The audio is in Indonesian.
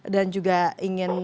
dan juga ingin